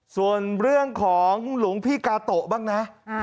ส่วนเรื่องของหลวงพี่กาโตะบ้างนะ